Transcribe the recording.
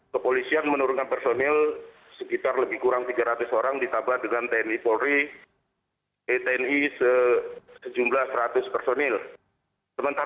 kepolisian menurunkan personil sekitar lebih kurang tiga ratus orang